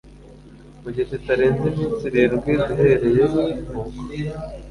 mu gihe kitarenze iminsi irindwi uhereye ubwo